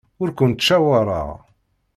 Ur kent-ttcawaṛeɣ.